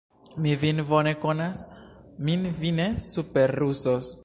Mi vin bone konas, min vi ne superruzos!